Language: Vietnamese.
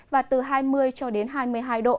và từ hai mươi cho đến hai mươi hai độ